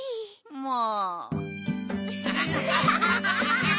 もう。